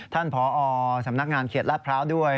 ท่านผอสำนักงานเขตลาดพร้าวด้วย